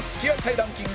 ランキング